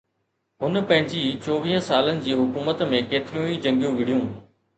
هن پنهنجي چوويهه سالن جي حڪومت ۾ ڪيتريون ئي جنگيون وڙهيون